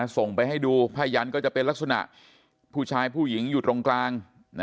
ส่งไปให้ดูผ้ายันก็จะเป็นลักษณะผู้ชายผู้หญิงอยู่ตรงกลาง